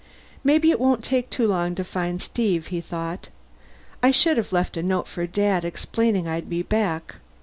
Maybe it won't take too long to find Steve, he thought. I should have left a note for Dad explaining I'd be back.